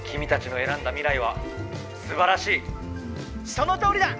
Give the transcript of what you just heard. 「そのとおりだ！」。